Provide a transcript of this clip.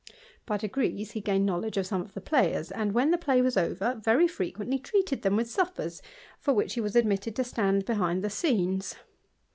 By degrees he gained knowledge of some of the player? and, when the play was over, very frequently treated the' with suppers ; for which he was admitted to stand bebu the scenes.